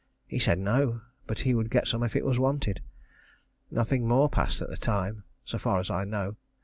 He said no, but he would get some if it was wanted. Nothing more passed at the time, so far as I know.